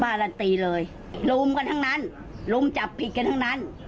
การันตีเลยลุมกันทั้งนั้นลุมจับผิดกันทั้งนั้น